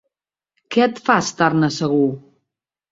Què et fa estar-ne segur?